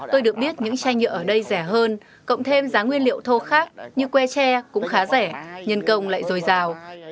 tôi được biết những chai nhựa ở đây rẻ hơn cộng thêm giá nguyên liệu thô khác như que tre cũng khá rẻ nhân công lại dồi dào